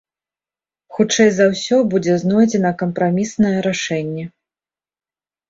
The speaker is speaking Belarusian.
Хутчэй за ўсё, будзе знойдзена кампраміснае рашэнне.